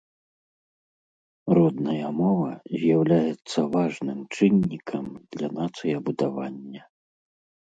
Родная мова з'яўляецца важным чыннікам для нацыябудавання.